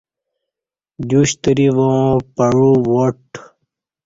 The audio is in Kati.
دیو شتری واں پعو واٹ